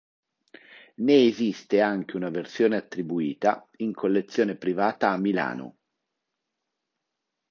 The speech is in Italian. Ne esiste anche una versione attribuita, in collezione privata a Milano.